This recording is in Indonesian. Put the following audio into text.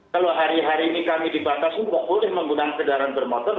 bahwa hari hari ini kami dibatasin tidak boleh menggunakan kendaraan bermotor